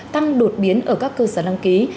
tăng đột biến ở các cơ sở đăng ký